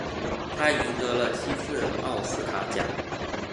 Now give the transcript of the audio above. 他赢得了七次奥斯卡奖。